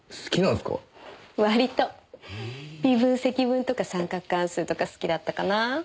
微分積分とか三角関数とか好きだったかなぁ。